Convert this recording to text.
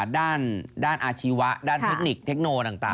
ด้านอาชีวะด้านเทคนิคเทคโนต่าง